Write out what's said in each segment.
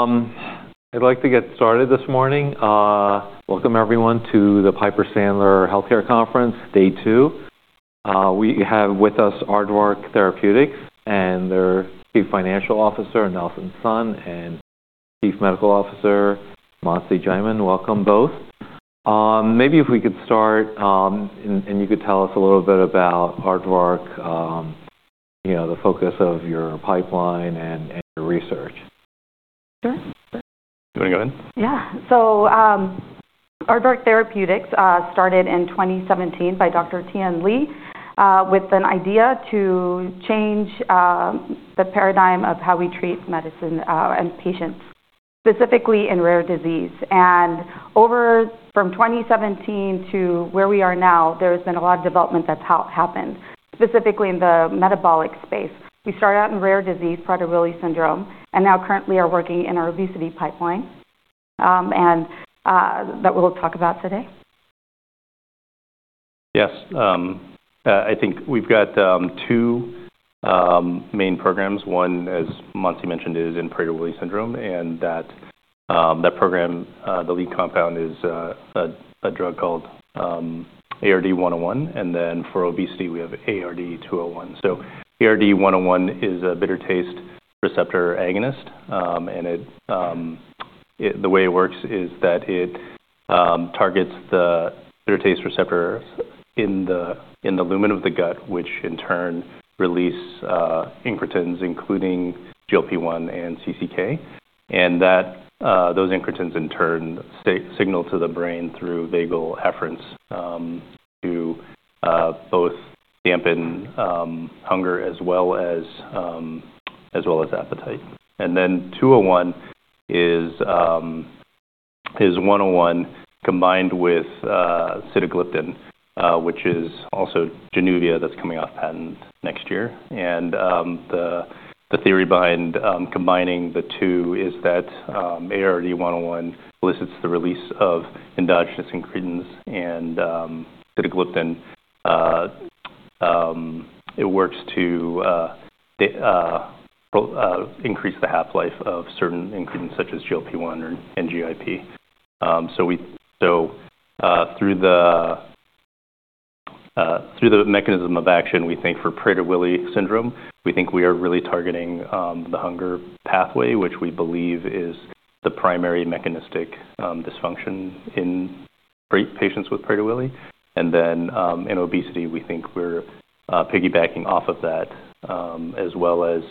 I'd like to get started this morning. Welcome everyone to the Piper Sandler Healthcare Conference, day two. We have with us Aardvark Therapeutics and their Chief Financial Officer, Nelson Sun, and Chief Medical Officer, Manasi Jaiman. Welcome both. Maybe if we could start, and you could tell us a little bit about Aardvark, you know, the focus of your pipeline and your research. Sure. You wanna go ahead? Yeah. So, Aardvark Therapeutics, started in 2017 by Dr. Tien Lee, with an idea to change the paradigm of how we treat medicine and patients, specifically in rare disease. And over from 2017 to where we are now, there has been a lot of development that's happened, specifically in the metabolic space. We started out in rare disease, Prader-Willi syndrome, and now currently are working in our obesity pipeline, and that we'll talk about today. Yes. I think we've got two main programs. One, as Montse mentioned, is in Prader-Willi syndrome, and that program, the lead compound is a drug called ARD-101. And then for obesity, we have ARD-201. So ARD-101 is a bitter taste receptor agonist, and the way it works is that it targets the bitter taste receptors in the lumen of the gut, which in turn release incretins, including GLP-1 and CCK. And those incretins in turn signal to the brain through vagal afferents to both dampen hunger as well as appetite. And then 201 is 101 combined with sitagliptin, which is also Januvia that's coming off patent next year. The theory behind combining the two is that ARD-101 elicits the release of endogenous incretins and sitagliptin. It works to prolong the half-life of certain incretins such as GLP-1 and GIP. Through the mechanism of action, we think for Prader-Willi syndrome, we think we are really targeting the hunger pathway, which we believe is the primary mechanistic dysfunction in patients with Prader-Willi. In obesity, we think we're piggybacking off of that, as well as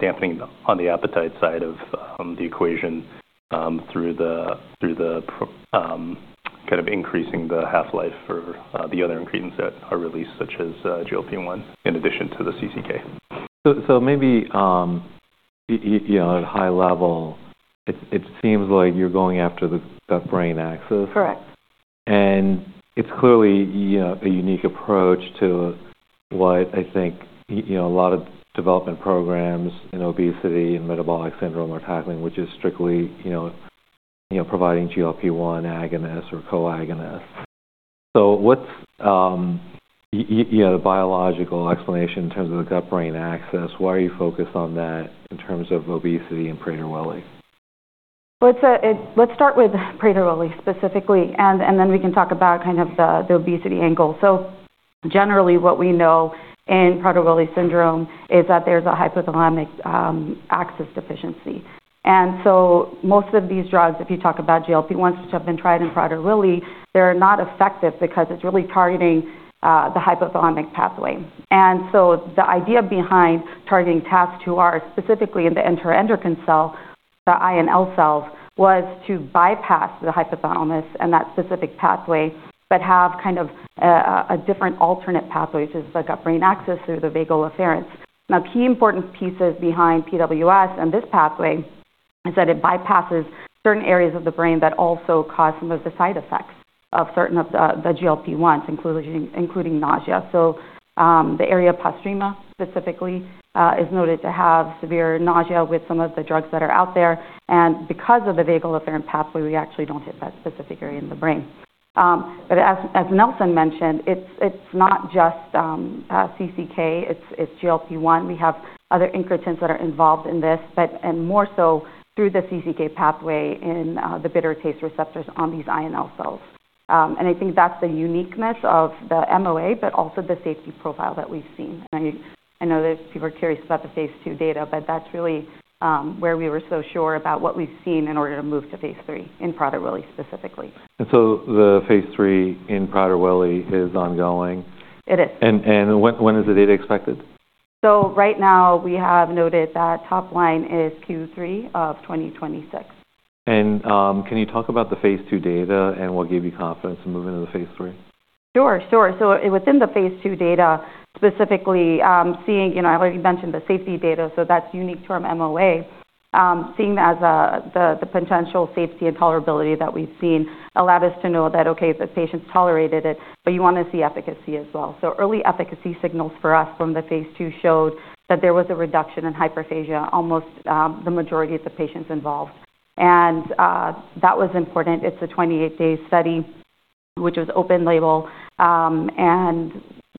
dampening on the appetite side of the equation, through kind of increasing the half-life for the other incretins that are released such as GLP-1 in addition to the CCK. Maybe you know, at a high level, it seems like you're going after the brain axis. Correct. And it's clearly, you know, a unique approach to what I think, you know, a lot of development programs in obesity and metabolic syndrome are tackling, which is strictly, you know, providing GLP-1 agonists or coagonists. So what's, you know, the biological explanation in terms of the gut-brain axis? Why are you focused on that in terms of obesity and Prader-Willi? Let's start with Prader-Willi specifically, and then we can talk about kind of the obesity angle. Generally, what we know in Prader-Willi syndrome is that there's a hypothalamic axis deficiency. Most of these drugs, if you talk about GLP-1s which have been tried in Prader-Willi, they're not effective because it's really targeting the hypothalamic pathway. The idea behind targeting TAS2R specifically in the enteroendocrine cell, the INL cells, was to bypass the hypothalamus and that specific pathway but have kind of a different alternate pathway, which is the gut-brain axis through the vagal afferents. Now, key important pieces behind PWS and this pathway is that it bypasses certain areas of the brain that also cause some of the side effects of certain of the GLP-1s, including nausea. The area of the hypothalamus specifically is noted to have severe nausea with some of the drugs that are out there. And because of the vagal afferent pathway, we actually don't hit that specific area in the brain. But as Nelson mentioned, it's not just CCK. It's GLP-1. We have other incretins that are involved in this, and more so through the CCK pathway in the bitter taste receptors on these I and L cells. And I think that's the uniqueness of the MOA, but also the safety profile that we've seen. And I know that people are curious about the phase two data, but that's really where we were so sure about what we've seen in order to move to phase three in Prader-Willi specifically. And so the phase three in Prader-Willi is ongoing? It is. When is the data expected? Right now, we have noted that top line is Q3 of 2026. Can you talk about the phase two data, and we'll give you confidence in moving to the phase three? Sure, sure. So within the phase two data, specifically, seeing, you know, I already mentioned the safety data, so that's unique to our MOA. Seeing as the potential safety and tolerability that we've seen allowed us to know that, okay, the patients tolerated it, but you wanna see efficacy as well. So early efficacy signals for us from the phase two showed that there was a reduction in hyperphagia almost the majority of the patients involved. And that was important. It's a 28-day study, which was open label.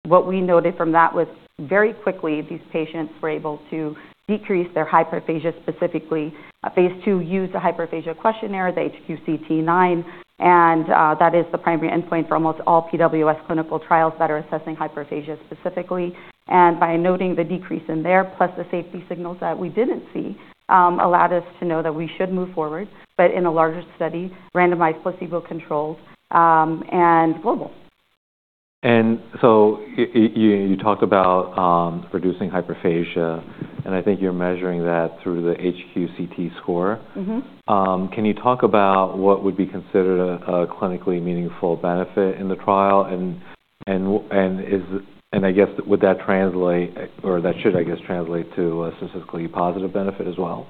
What we noted from that was very quickly these patients were able to decrease their hyperphagia specifically. Phase two used a hyperphagia questionnaire, the HQCT, and that is the primary endpoint for almost all PWS clinical trials that are assessing hyperphagia specifically. By noting the decrease in there, plus the safety signals that we didn't see, allowed us to know that we should move forward, but in a larger study, randomized placebo controls, and global. You talked about reducing hyperphagia, and I think you're measuring that through the HQCT score. Mm-hmm. Can you talk about what would be considered a clinically meaningful benefit in the trial? And would that translate or that should, I guess, translate to a statistically positive benefit as well?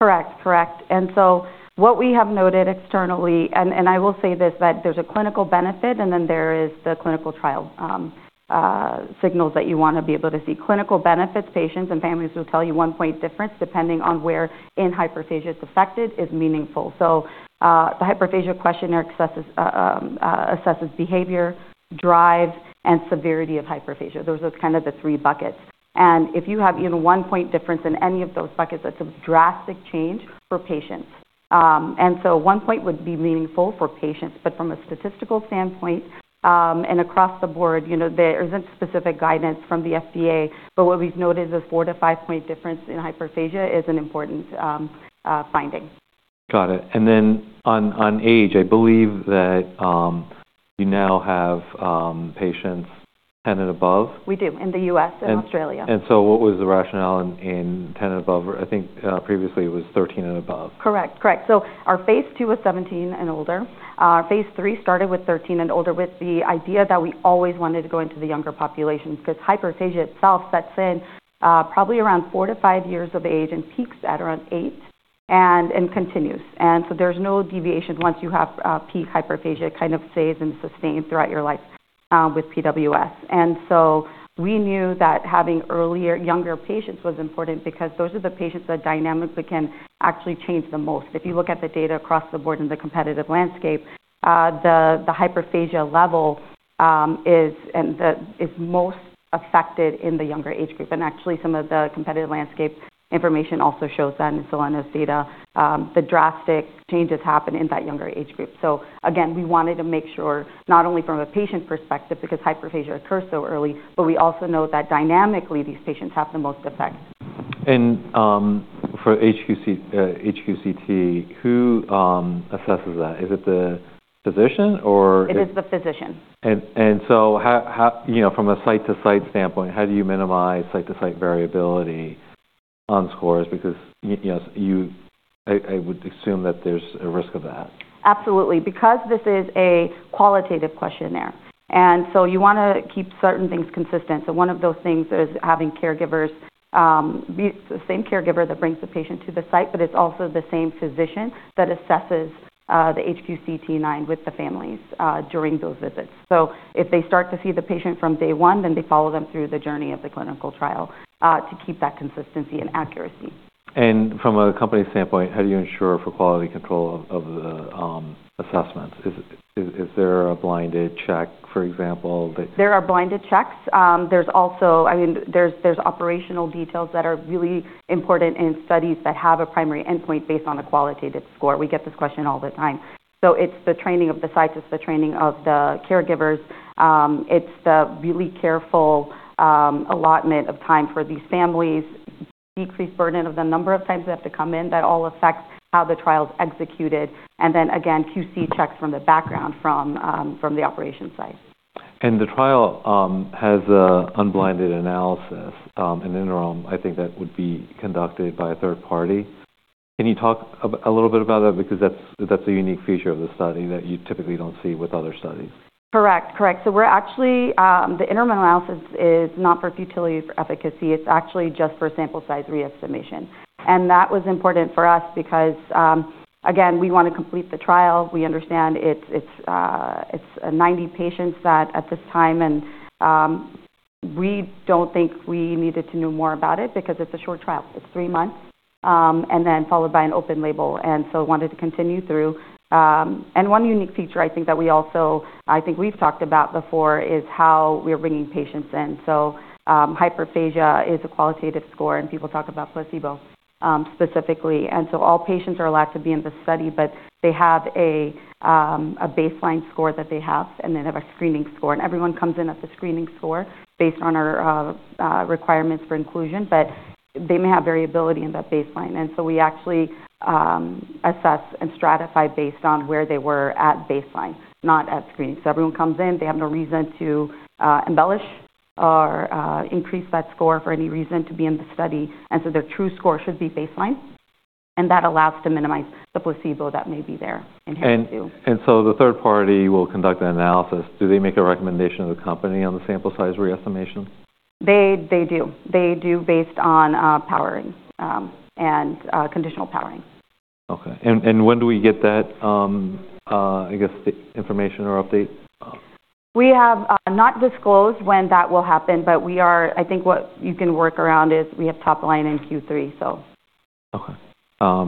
Correct, correct, and so what we have noted externally, and I will say this, that there's a clinical benefit, and then there is the clinical trial signals that you wanna be able to see. Clinical benefits, patients and families will tell you one-point difference depending on where in hyperphagia it's affected is meaningful, so the hyperphagia questionnaire assesses behavior, drive, and severity of hyperphagia. Those are kind of the three buckets, and if you have even one-point difference in any of those buckets, that's a drastic change for patients, and so one-point would be meaningful for patients, but from a statistical standpoint, and across the board, you know, there isn't specific guidance from the FDA, but what we've noted is a four- to five-point difference in hyperphagia is an important finding. Got it. And then on age, I believe that you now have patients 10 and above? We do, in the U.S. and Australia. So what was the rationale in 10 and above? I think previously it was 13 and above. Correct, correct. So our phase two was 17 and older. Phase three started with 13 and older with the idea that we always wanted to go into the younger population because hyperphagia itself sets in, probably around four to five years of age and peaks at around eight and continues. And so there's no deviation once you have peak hyperphagia; it kind of stays and sustained throughout your life with PWS. And so we knew that having earlier younger patients was important because those are the patients that dynamically can actually change the most. If you look at the data across the board in the competitive landscape, the hyperphagia level is most affected in the younger age group. And actually, some of the competitive landscape information also shows that in Salinas data, the drastic changes happen in that younger age group. So again, we wanted to make sure not only from a patient perspective because hyperphagia occurs so early, but we also know that dynamically these patients have the most effect. For HQCT, who assesses that? Is it the physician or? It is the physician. How, you know, from a site-to-site standpoint, how do you minimize site-to-site variability on scores? Because you know, I would assume that there's a risk of that. Absolutely. Because this is a qualitative questionnaire. And so you wanna keep certain things consistent. So one of those things is having caregivers be the same caregiver that brings the patient to the site, but it's also the same physician that assesses the HQCT with the families during those visits. So if they start to see the patient from day one, then they follow them through the journey of the clinical trial to keep that consistency and accuracy. From a company standpoint, how do you ensure for quality control of the assessments? Is there a blinded check, for example, that? There are blinded checks. There's also, I mean, there's operational details that are really important in studies that have a primary endpoint based on a qualitative score. We get this question all the time. So it's the training of the scientists, the training of the caregivers. It's the really careful allotment of time for these families, decreased burden of the number of times they have to come in that all affects how the trial's executed. And then again, QC checks from the background from the operation site. The trial has an unblinded analysis, an interim. I think that would be conducted by a third party. Can you talk a little bit about that? Because that's a unique feature of the study that you typically don't see with other studies. Correct, correct. So we're actually the interim analysis is not for futility or efficacy. It's actually just for sample size re-estimation, and that was important for us because, again, we wanna complete the trial. We understand it's 90 patients at this time, and we don't think we needed to know more about it because it's a short trial. It's three months, and then followed by an open label, and so wanted to continue through. One unique feature I think that we also, I think we've talked about before is how we're bringing patients in. So hyperphagia is a qualitative score, and people talk about placebo, specifically. And so all patients are allowed to be in the study, but they have a baseline score that they have, and they have a screening score. Everyone comes in at the screening score based on our requirements for inclusion, but they may have variability in that baseline. We actually assess and stratify based on where they were at baseline, not at screening. Everyone comes in. They have no reason to embellish or increase that score for any reason to be in the study. Their true score should be baseline, and that allows to minimize the placebo that may be there inherent too. The third party will conduct an analysis. Do they make a recommendation to the company on the sample size re-estimation? They do based on powering and conditional powering. Okay. And when do we get that, I guess, the information or update? We have not disclosed when that will happen, but I think what you can work around is we have top line in Q3, so. Okay.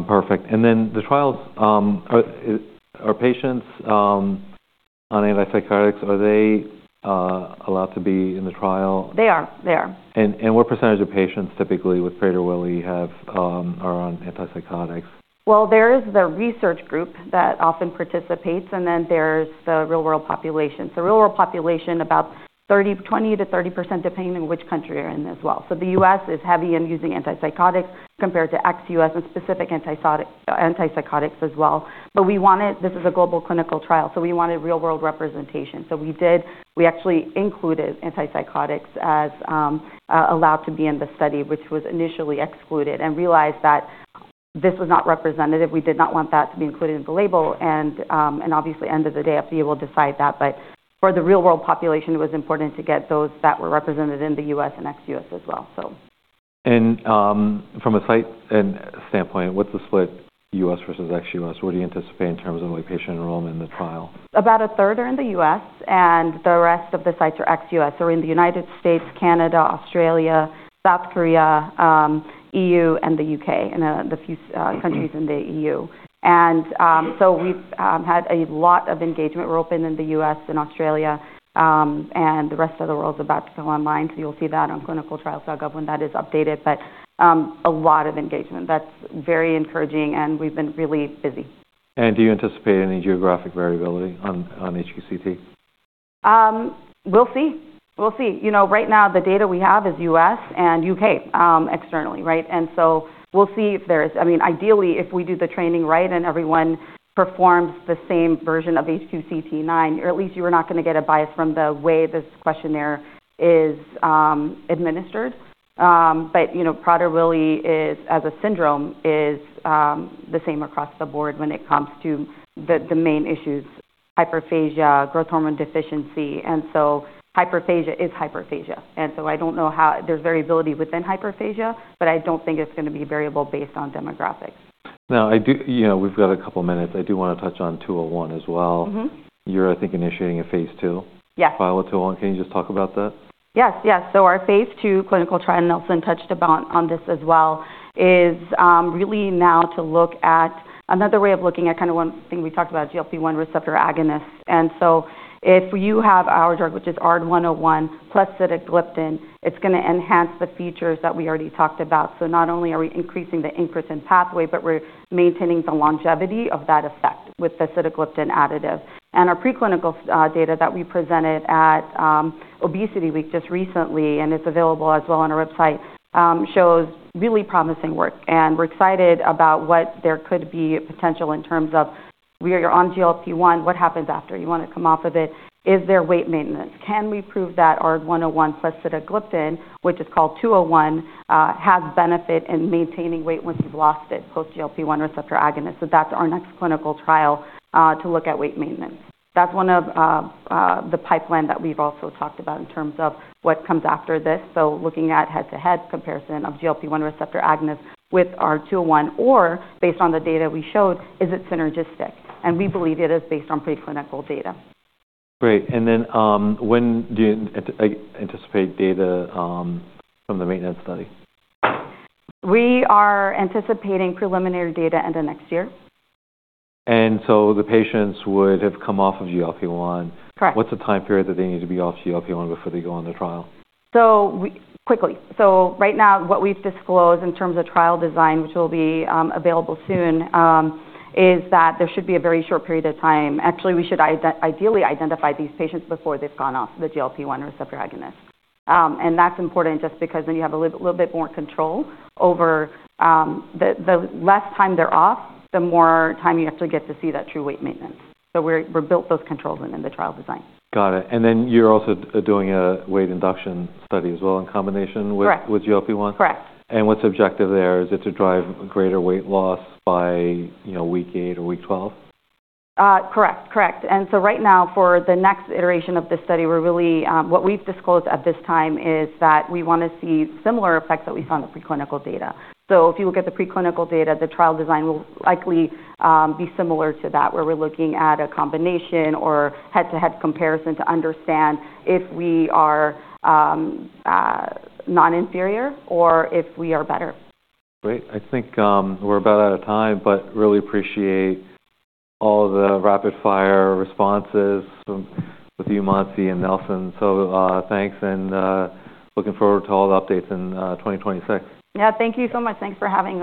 Perfect. And then the trials, are patients on antipsychotics allowed to be in the trial? They are. They are. What percentage of patients typically with Prader-Willi are on antipsychotics? There is the research group that often participates, and then there's the real-world population. So real-world population, about 30%, 20%-30% depending on which country you're in as well. So the U.S. is heavy in using antipsychotics compared to ex-U.S. and specific antipsychotics as well. But we wanted, this is a global clinical trial, so we wanted real-world representation. So we did, we actually included antipsychotics as allowed to be in the study, which was initially excluded, and realized that this was not representative. We did not want that to be included in the label. And obviously, end of the day, FDA will decide that. But for the real-world population, it was important to get those that were represented in the U.S. and ex-U.S. as well, so. From a site and standpoint, what's the split U.S. versus ex-U.S.? What do you anticipate in terms of lay patient enrollment in the trial? About a third are in the U.S., and the rest of the sites are ex-U.S., so in the United States, Canada, Australia, South Korea, E.U., and the U.K., and the few countries in the E.U., and so we've had a lot of engagement. We're open in the U.S. and Australia, and the rest of the world's about to go online, so you'll see that on ClinicalTrials.gov when that is updated, but a lot of engagement. That's very encouraging, and we've been really busy. Do you anticipate any geographic variability on HQCT? We'll see, we'll see. You know, right now, the data we have is U.S. and U.K., externally, right? And so we'll see if there is, I mean, ideally, if we do the training right and everyone performs the same version of HQCT9, or at least you are not gonna get a bias from the way this questionnaire is administered. But you know, Prader-Willi is, as a syndrome, the same across the board when it comes to the main issues, hyperphagia, growth hormone deficiency. And so hyperphagia is hyperphagia. And so I don't know how there's variability within hyperphagia, but I don't think it's gonna be variable based on demographics. Now, I do, you know, we've got a couple minutes. I do wanna touch on ARD-201 as well. Mm-hmm. You're, I think, initiating a phase two. Yes. ARD-201. Can you just talk about that? Yes, yes. Our phase two clinical trial, which Nelson touched upon as well, is really now to look at another way of looking at kind of one thing we talked about, GLP-1 receptor agonist. If you have our drug, which is ARD-101 plus sitagliptin, it's gonna enhance the features that we already talked about. Not only are we increasing the incretin pathway, but we're maintaining the longevity of that effect with the sitagliptin additive. Our preclinical data that we presented at ObesityWeek just recently, and it's available as well on our website, shows really promising work. We're excited about what there could be potential in terms of. We're on GLP-1. What happens after? You wanna come off of it? Is there weight maintenance? Can we prove that ARD-101 plus sitagliptin, which is called 201, has benefit in maintaining weight once you've lost it post-GLP-1 receptor agonist? So that's our next clinical trial, to look at weight maintenance. That's one of the pipeline that we've also talked about in terms of what comes after this. So looking at head-to-head comparison of GLP-1 receptor agonist with ARD-201, or based on the data we showed, is it synergistic? And we believe it is based on preclinical data. Great. And then, when do you anticipate data from the maintenance study? We are anticipating preliminary data end of next year. The patients would have come off of GLP-1. Correct. What's the time period that they need to be off GLP-1 before they go on the trial? Right now, what we've disclosed in terms of trial design, which will be available soon, is that there should be a very short period of time. Actually, we should ideally identify these patients before they've gone off the GLP-1 receptor agonist, and that's important just because then you have a little bit more control over the less time they're off, the more time you actually get to see that true weight maintenance. We're built those controls in the trial design. Got it. And then you're also doing a weight induction study as well in combination with. Correct. With GLP-1? Correct. What's objective there? Is it to drive greater weight loss by, you know, week 8 or week 12? Correct, correct. And so right now, for the next iteration of this study, we're really what we've disclosed at this time is that we wanna see similar effects that we found in preclinical data. So if you look at the preclinical data, the trial design will likely be similar to that where we're looking at a combination or head-to-head comparison to understand if we are non-inferior or if we are better. Great. I think we're about out of time, but really appreciate all the rapid-fire responses with you, Manasi, and Nelson. So, thanks, and looking forward to all the updates in 2026. Yeah, thank you so much. Thanks for having me.